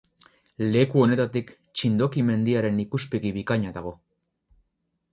Leku honetatik Txindoki mendiaren ikuspegi bikaina dago.